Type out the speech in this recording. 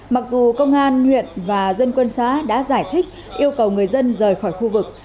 mặc dù công an huyện và dân quân xã đã giải thích yêu cầu người dân rời khỏi khu vực